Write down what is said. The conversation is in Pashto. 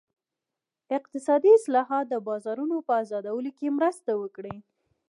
اقتصادي اصلاحات د بازارونو په ازادولو کې مرسته وکړي.